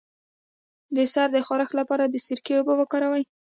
د سر د خارښ لپاره د سرکې اوبه وکاروئ